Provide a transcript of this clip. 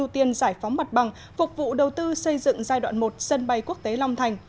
ưu tiên giải phóng mặt bằng phục vụ đầu tư xây dựng giai đoạn một sân bay quốc tế long thành